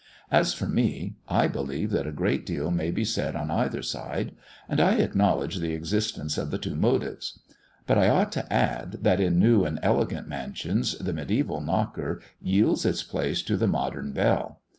As for me, I believe that a great deal may be said on either side; and I acknowledge the existence of the two motives. But I ought to add, that in new and elegant mansions the mediæval knocker yields its place to the modern bell.